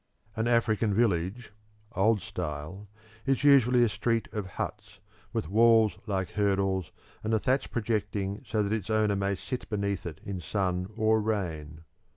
An African village (old style) is usually a street of huts, with walls like hurdles, and the thatch projecting so that its owner may sit beneath it in sun or rain.